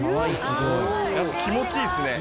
やっぱ気持ちいいですね。